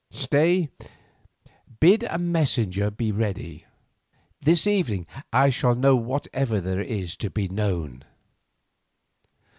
Stay, bid a messenger be ready. This evening I shall know whatever there is to be known."